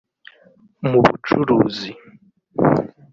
mu bucuruzi